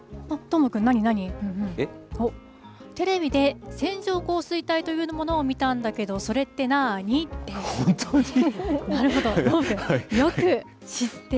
ふんふん、テレビで線状降水帯というものを見たんだけれども、それってなーに？って。